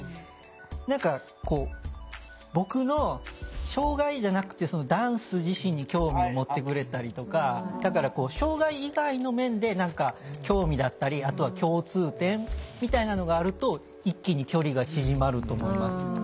何か僕の障害じゃなくてダンス自身に興味を持ってくれたりとかだから障害以外の面で何か興味だったりあとは共通点みたいなのがあると一気に距離が縮まると思います。